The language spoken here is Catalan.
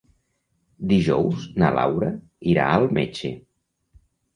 Dijous na Laura irà al metge.